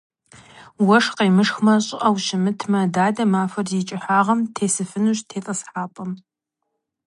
Уэшх къемышхмэ, щӀыӀэу щымытмэ, дадэ махуэр зи кӀыхьагъым тесыфынущ тетӏысхьэпӏэм.